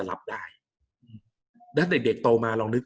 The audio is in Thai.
กับการสตรีมเมอร์หรือการทำอะไรอย่างเงี้ย